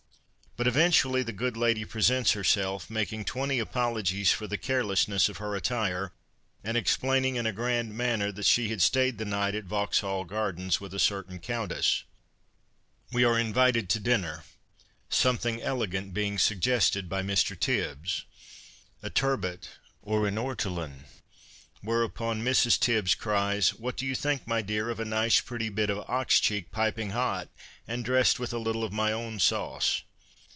But eventually the good lady presents herself, making ' twenty apologies ' for the carelessness of her attire, and explaining in a grand manner that she had stayed the night at Vauxhall Gardens with a certain countess. We are invited to dinner, something elegant being suggested by Mr. Tibbs — a turbot or an ortolan. Whereupon Mrs. Tibbs cries, ' What do you think, my dear, of a nice pretty bit of ox cheek, piping hot, and dressed with a little of my own sauce